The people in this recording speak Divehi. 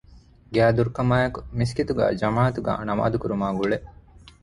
ގައިދުރު ކަމާއެކު މިސްކިތްތަކުގައި ޖަމާޢަތުގައި ނަމާދުކުރުމާއި ގުޅޭ